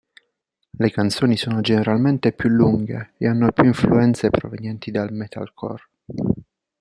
Le canzoni sono generalmente più lunghe e hanno più influenze provenienti dal metalcore.